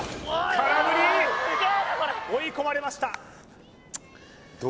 空振り追い込まれました